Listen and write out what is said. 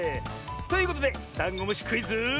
ということでダンゴムシクイズ。